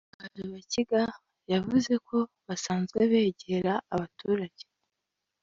Hajabakiga yavuze ko basanzwe begera aba baturage